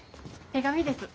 手紙です。